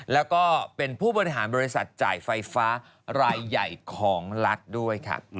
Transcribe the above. แล้วก็เป็นผู้บริหารบริษัทจ่ายไฟฟ้ารายใหญ่ของรัฐด้วยค่ะ